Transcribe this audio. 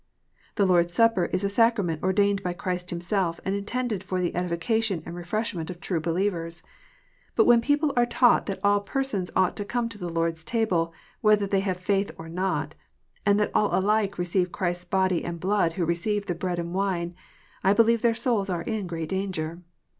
The Lord s Supper is a sacrament ordained by Christ Him self, and intended for the edification and refreshment of true believers. But when people are taught that all persons ought to come to the Lord s Table, whether they have faith or not ; and that all alike receive Christ s body and blood who receive the bread and wine, I believe their souls are in great danger.